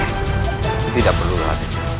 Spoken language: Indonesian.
itu tidak perlu hadir